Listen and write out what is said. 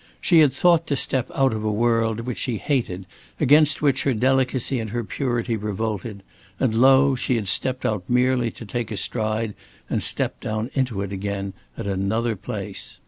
She had thought to step out of a world which she hated, against which her delicacy and her purity revolted, and lo! she had stepped out merely to take a stride and step down into it again at another place.